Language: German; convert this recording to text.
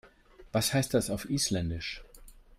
Was heißt das auf Isländisch?